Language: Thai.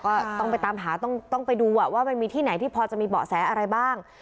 ก็ต้องไปตามหาต้องไปดูว่ามันมีที่ไหนที่พอจะมีเบาะแสอะไรบ้าง